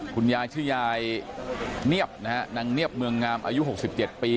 คุณยายชื่อยายเนียบนะฮะนางเนียบเมืองงามอายุ๖๗ปี